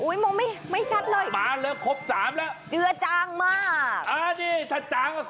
อย่ามองไม่ชัดเลยมาแล้วครบสามแล้วเงี๊ยวจ้างมาก